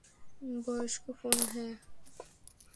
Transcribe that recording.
বয়স্ক ফোন, হ্যাঁ?